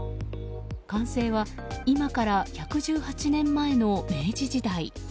完成は今から１１８年前の明治時代。